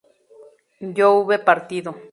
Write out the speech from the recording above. yo hube partido